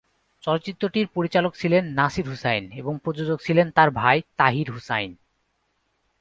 চলচ্চিত্রটির পরিচালক ছিলেন নাসির হুসাইন এবং প্রযোজক ছিলেন তার ভাই তাহির হুসাইন।